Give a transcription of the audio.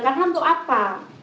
karena untuk apa